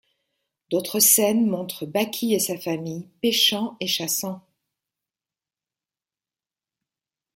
D'autres scènes montrent Baki et sa famille pêchant et chassant.